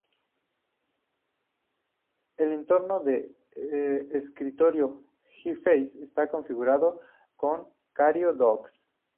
El entorno de escritorio Xfce está configurado con Cairo-Dock.